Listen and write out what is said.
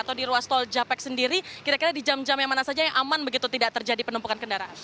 atau di ruas tol japek sendiri kira kira di jam jam yang mana saja yang aman begitu tidak terjadi penumpukan kendaraan